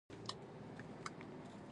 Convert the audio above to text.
هغه په بند کې سختې شپې ورځې تېرولې.